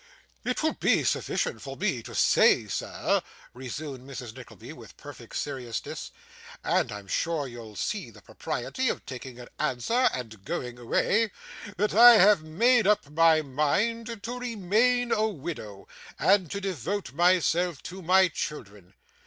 'It will be sufficient for me to say, sir,' resumed Mrs. Nickleby, with perfect seriousness 'and I'm sure you'll see the propriety of taking an answer and going away that I have made up my mind to remain a widow, and to devote myself to my children.